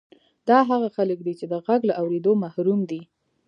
دا هغه خلک دي چې د غږ له اورېدو محروم دي